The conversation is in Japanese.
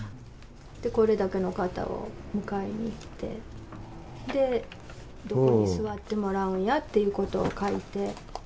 これだけの方を迎えに行って、で、どこに座ってもらうんやってことを書いて。